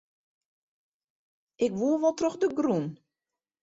Ik woe wol troch de grûn.